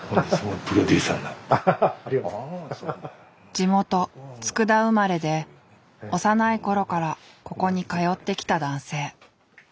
地元佃生まれで幼い頃からここに通ってきた男性。